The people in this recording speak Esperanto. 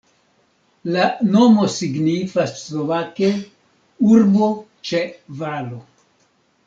La nomo signifas slovake urbo ĉe valo.